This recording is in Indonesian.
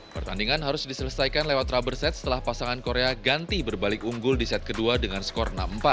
pertandingan harus diselesaikan lewat rubber set setelah pasangan korea ganti berbalik unggul di set kedua dengan skor enam empat